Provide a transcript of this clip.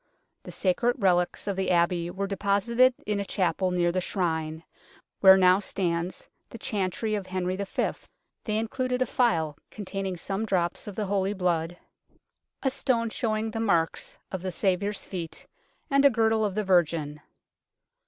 The sacred relics of the Abbey were deposited in a chapel near the Shrine, where now stands the Chantry of Henry V. They included a phial containing some drops of the Holy Blood, a stone showing 50 UNKNOWN LONDON the marks of the Saviour's feet, and a girdle of the Virgin.